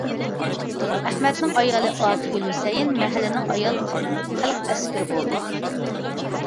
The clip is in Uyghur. ئەخمەتنىڭ ئايالى ئاتىگۈل ھۈسەيىن مەھەللىنىڭ ئايال خەلق ئەسكىرى بولدى.